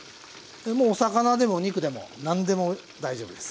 もうお魚でもお肉でも何でも大丈夫です。